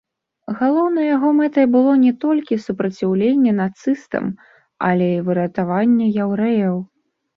Галоўнай яго мэтай было не толькі супраціўленне нацыстам, але і выратаванне яўрэяў.